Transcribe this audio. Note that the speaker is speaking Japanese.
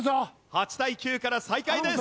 ８対９から再開です。